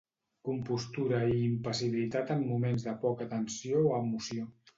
Compostura i impassibilitat en moments de poca tensió o emoció.